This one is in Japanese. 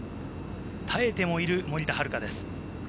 耐えてもいる森田遥です。